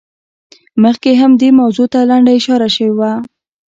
مخکې هم دې موضوع ته لنډه اشاره شوې وه.